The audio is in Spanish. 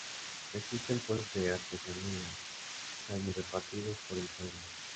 Existen puestos de artesanía sami repartidos por el pueblo.